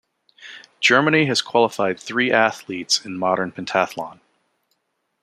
Germany has qualified three athletes in modern pentathlon.